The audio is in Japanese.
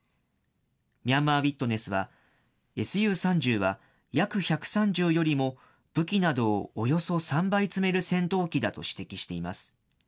ミャンマー・ウィットネスは、Ｓｕ３０は、Ｙａｋ１３０よりも武器などをおよそ３倍積める戦闘機だと指摘しています。